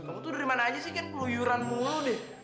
kamu tuh dari mana aja sih kan peluyuran mulu deh